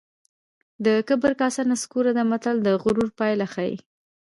د کبر کاسه نسکوره ده متل د غرور پایله ښيي